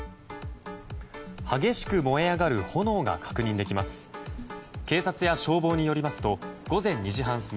激しく燃え上がる炎が確認できます。